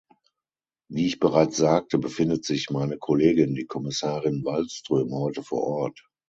Wie ich bereits sagte, befindet sich meine Kollegin, die Kommissarin Wallström, heute vor Ort.